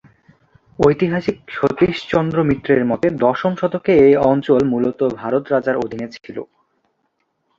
ঐতিহাসিক সতীশ চন্দ্র মিত্রের মতে দশম শতকে এ অঞ্চল মূলত ভারত রাজার অধীনে ছিল।